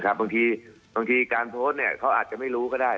บางทีการโพสต์เขาอาจจะไม่รู้ก็ได้